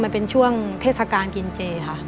เป็นช่วงเทศกาลกินเจ